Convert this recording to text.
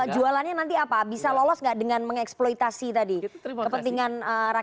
jualannya nanti apa bisa lolos nggak dengan mengeksploitasi tadi kepentingan rakyat